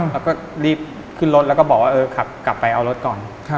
เราก็รีบขึ้นรถบอกว่าเออขับกลับไปเอารถก่อน